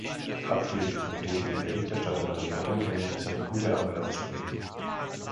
Abschließend möchte ich dem Berichterstatter meine Anerkennung für seine gute Arbeit aussprechen.